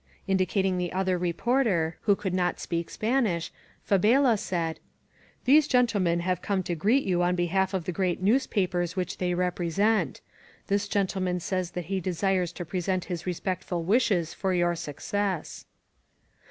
Indicating the other reporter, who could not speak Spanish, Fabela said: '^These gentlemen have come to greet you on behalf of the great newspapers which they represent. This gentleman says that he desires to present his respect ful wishes for your success.